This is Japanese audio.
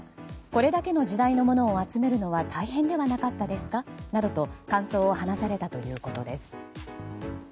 これだけの時代のものを集めるのは大変ではなかったですかなどと感想を話されたということです。